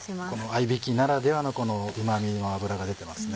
合びきならではのこのうま味の脂が出てますね。